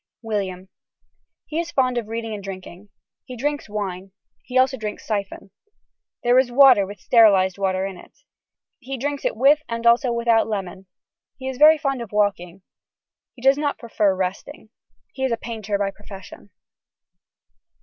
(William.) He is fond of reading and drinking. He drinks wine. He also drinks siphon. This is water with sterilised water in it. He drinks it with and also without lemon. He is very fond of walking. He does not prefer resting. He is a painter by profession.